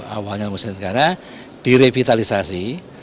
awalnya lembaga sandi negara direvitalisasi